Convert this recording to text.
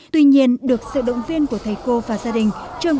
tuy nhiên được sự động viên của thầy cô và gia đình